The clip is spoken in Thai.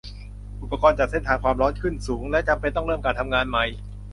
อุปกรณ์จัดเส้นทางความร้อนขึ้นสูง และจำเป็นต้องเริ่มการทำงานใหม่